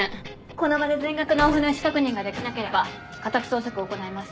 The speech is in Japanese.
この場で全額納付の意思確認ができなければ家宅捜索を行います。